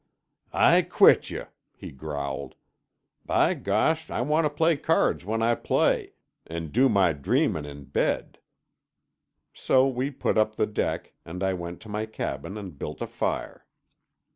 "I quit yuh," he growled. "By gosh, I want to play cards when I play, an' do my dreamin' in bed." So we put up the deck, and I went to my cabin and built a fire.